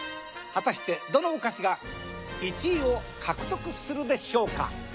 果たしてどのお菓子が１位を獲得するでしょうか？